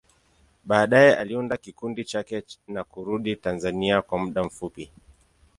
Baadaye, aliunda kikundi chake na kurudi Tanzania kwa muda mfupi.